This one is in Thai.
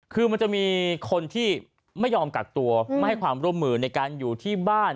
คือมันจะมีคนที่ไม่ยอมกักตัวไม่ให้ความร่วมมือในการอยู่ที่บ้าน